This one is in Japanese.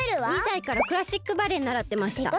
２さいからクラシックバレエならってました。